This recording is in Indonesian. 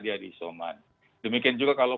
dia diisoman demikian juga kalau